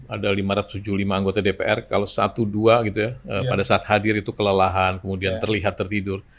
ada lima ratus tujuh puluh lima anggota dpr kalau satu dua gitu ya pada saat hadir itu kelelahan kemudian terlihat tertidur